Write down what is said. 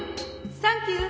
サンキュー。